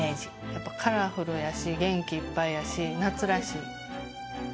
やっぱカラフルやし元気いっぱいやし夏らしい。